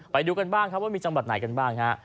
ไปดูกันบ้างครับว่ามีจังหวัดไหนกันบ้างฮะ